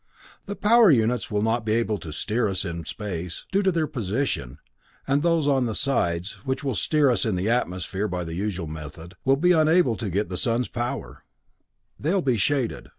"The power units will not be able to steer us in space, due to their position, and those on the sides, which will steer us in the atmosphere by the usual method, will be unable to get the sun's power; they'll be shaded.